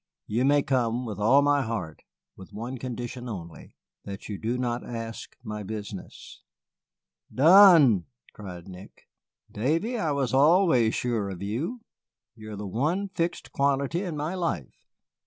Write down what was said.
You may come, with all my heart, with one condition only that you do not ask my business." "Done!" cried Nick. "Davy, I was always sure of you; you are the one fixed quantity in my life.